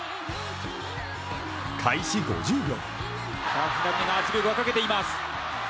開始５０秒。